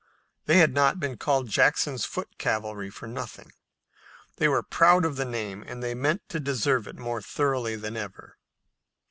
They had not been called Jackson's Foot Cavalry for nothing. They were proud of the name, and they meant to deserve it more thoroughly than ever.